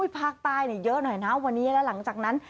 ภาคใต้เยอะหน่อยนะวันนี้แล้วหลังจากนั้น